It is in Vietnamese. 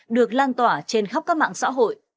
được lan tỏa trên khắp các mạng xã hội